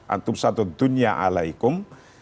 antum satu dunya alaikum